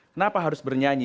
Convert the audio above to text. kenapa harus bernyanyi